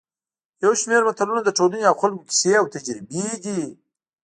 یو شمېر متلونه د ټولنې او خلکو کیسې او تجربې دي